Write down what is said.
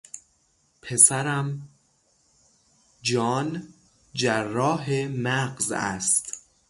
پسرم جان جراح مغز است.